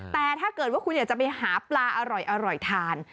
แต่ถ้าเกิดว่าคุณอยากจะไปหาปลาอร่อยทาน